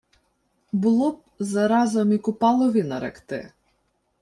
— Було б заразом і Купалові наректи.